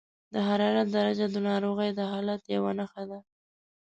د حرارت درجه د ناروغۍ د حالت یوه نښه ده.